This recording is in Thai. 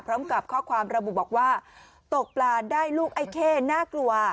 เพราะว่าความระบุบอกว่าตกปลาได้ลูกไอ้เค่น่ากลัว